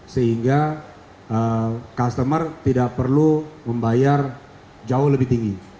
sehingga customer tidak perlu membayar jauh lebih tinggi